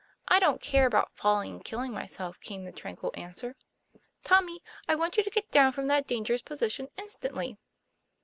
I don't care about falling and killing myself," came the tranquil answer. ' Tommy, I want you to get down from that dan gerous position instantly."